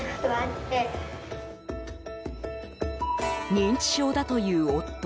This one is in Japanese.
認知症だという夫。